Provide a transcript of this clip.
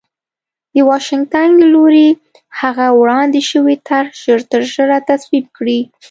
د واشنګټن له لوري هغه وړاندې شوې طرح ژرترژره تصویب کړي